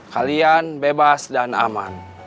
kalian bebas dan aman